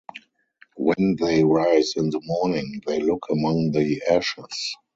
When they rise in the morning, they look among the ashes.